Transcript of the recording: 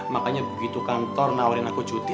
makanya begitu kantor nawarin aku cuti